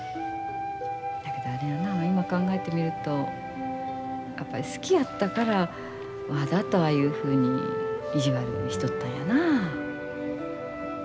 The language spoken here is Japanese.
だけどあれやな今考えてみると好きやったからわだとああいうふうに意地悪しとったんやなあ。